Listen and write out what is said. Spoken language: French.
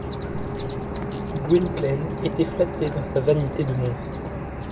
Gwynplaine était flatté dans sa vanité de monstre.